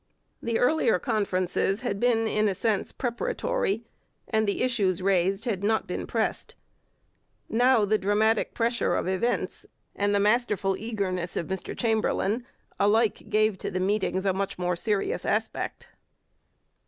The earlier conferences had been in a sense preparatory, and the issues raised had not been pressed. Now the dramatic pressure of events and the masterful eagerness of Mr Chamberlain alike gave to the meetings a much more serious aspect.